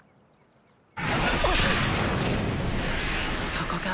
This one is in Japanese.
そこか。